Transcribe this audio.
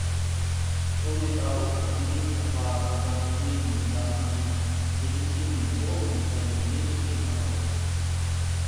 Кроме того, Конференция по разоружению должна быть легитимным форумом для ведения переговоров.